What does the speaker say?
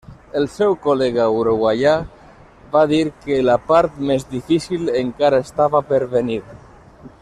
El seu col·lega uruguaià va dir que la part més difícil encara estava per venir.